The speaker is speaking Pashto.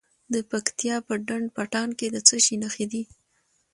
د پکتیا په ډنډ پټان کې د څه شي نښې دي؟